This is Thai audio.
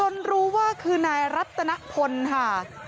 รู้ว่าคือนายรัตนพลค่ะ